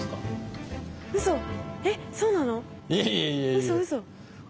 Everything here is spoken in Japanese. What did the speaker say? うそうそ？